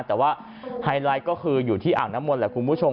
แต่ว่าไฮไลท์ก็คืออยู่ที่อ่างน้ำมนต์แหละคุณผู้ชม